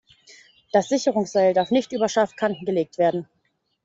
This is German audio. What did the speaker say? Das Sicherungsseil darf nicht über scharfe Kanten gelegt werden.